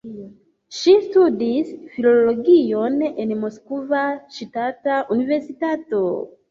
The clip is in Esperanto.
Ŝi studis filologion en Moskva Ŝtata Universitato.